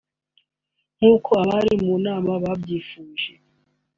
nk’uko abari mu nama babyifuje